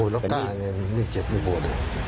แล้วก็กล้าไงไม่เจ็บไม่โปรด